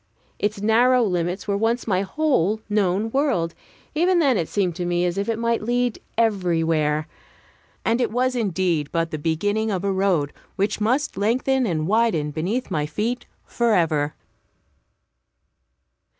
Its narrow limits were once my whole known world. Even then it seemed to me as if it might lead everywhere; and it was indeed but the beginning of a road which must lengthen and widen beneath my feet forever.